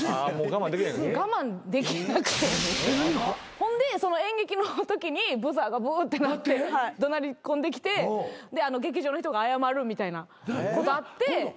ほんでその演劇のときにブザーがブーッて鳴って怒鳴り込んできてで劇場の人が謝るみたいなことあって。